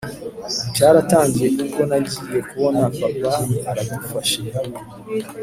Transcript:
cyaratangiye ubwo nagiye kubona papa aradufashe